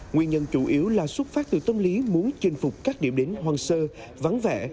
nguyên nhân chủ yếu là xuất phát từ tâm lý muốn chinh phục các điểm đến hoang sơ vắng vẻ